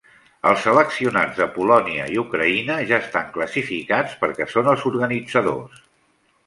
Els seleccionats de Polònia i Ucraïna ja estan classificats perquè són els organitzadors.